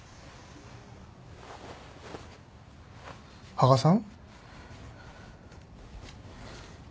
羽賀さん？